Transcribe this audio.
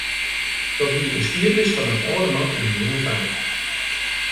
Dat wie in skiednis fan in âlde man en in jonge faam.